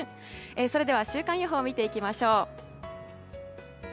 それでは週間予報を見ていきましょう。